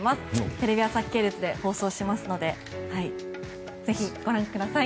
テレビ朝日系列で放送しますのでぜひ、ご覧ください。